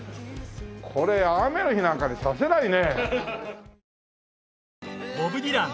これ雨の日なんかに差せないね。